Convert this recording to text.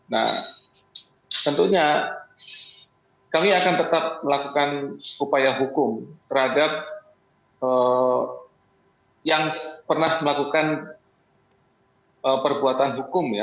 nah tentunya kami akan tetap melakukan upaya hukum terhadap yang pernah melakukan perbuatan hukum ya